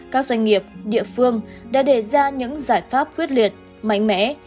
các doanh nghiệp địa phương đã đề ra những giải pháp quyết liệt mạnh mẽ